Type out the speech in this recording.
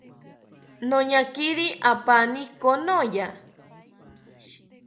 Noñakiri apaani konoya